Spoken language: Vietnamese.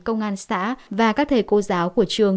công an xã và các thầy cô giáo của trường